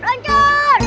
terus buj lambak deh